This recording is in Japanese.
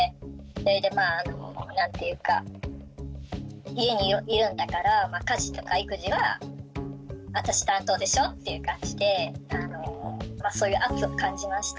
それでまあ何ていうか家にいるんだから家事とか育児はあたし担当でしょっていう感じでそういう圧を感じましたね。